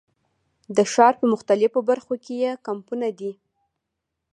د ښار په مختلفو برخو کې یې کمپونه دي.